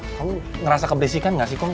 kamu ngerasa keberisikan gak sih kung